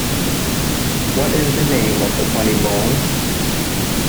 What is the name of the funny bone?